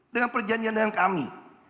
dengan perjanjian dengan kami